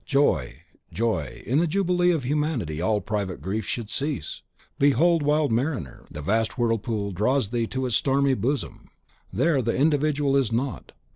Joy, joy! In the Jubilee of Humanity all private griefs should cease! Behold, wild mariner, the vast whirlpool draws thee to its stormy bosom! There the individual is not.